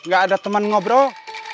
gak ada teman ngobrol